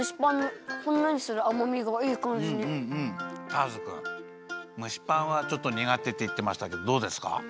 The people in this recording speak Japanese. ターズくんむしパンはちょっとにがてっていってましたけどどうですか？